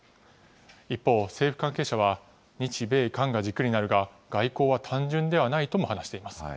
一方、政府関係者は、日米韓が軸になるが、外交は単純ではないとも話しています。